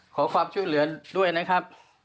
ขอความช่วยเหลือด้วยนะครับ